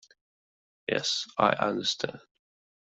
Yes, I understand.